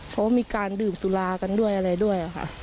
เพราะว่ามีการดื่มสุรากันด้วยอะไรด้วยค่ะ